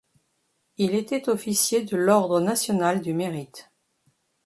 Il était Officier de l’ordre national du Mérite.